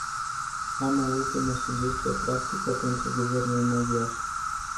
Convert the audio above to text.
Am o ultimă sugestie practică pentru guvernul maghiar.